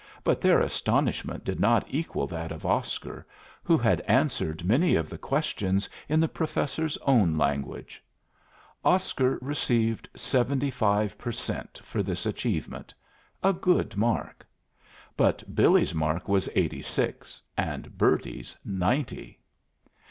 But their astonishment did not equal that of Oscar, who had answered many of the questions in the Professor's own language. Oscar received seventy five per cent for this achievement a good mark. But Billy's mark was eighty six and Bertie's ninety.